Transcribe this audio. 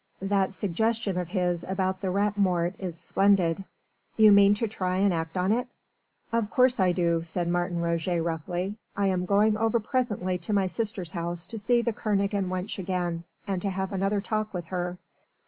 That suggestion of his about the Rat Mort is splendid...." "You mean to try and act on it?" "Of course I do," said Martin Roget roughly. "I am going over presently to my sister's house to see the Kernogan wench again, and to have another talk with her.